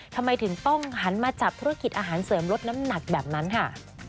ทำไมถึงต้องหันมาจับธุรกิจอาหารเสริมลดน้ำหนักแบบนั้นค่ะ